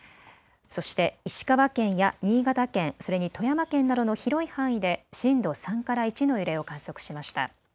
そして石川県や新潟県、それに富山県などの広い範囲で震度３から１の揺れを観測しました。